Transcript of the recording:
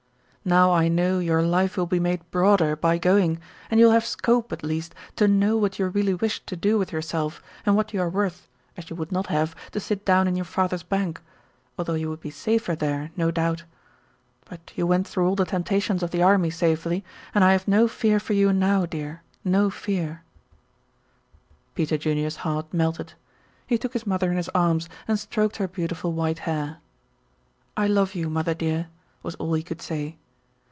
Now I know your life will be made broader by going, and you'll have scope, at least, to know what you really wish to do with yourself and what you are worth, as you would not have, to sit down in your father's bank, although you would be safer there, no doubt. But you went through all the temptations of the army safely, and I have no fear for you now, dear, no fear." Peter Junior's heart melted. He took his mother in his arms and stroked her beautiful white hair. "I love you, mother, dear," was all he could say.